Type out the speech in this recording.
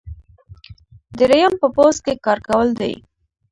دریم په پوځ کې کار کول دي.